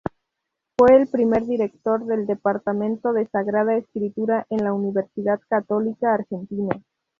Fue el primer director del Departamento de Sagrada Escritura en la Universidad Católica Argentina.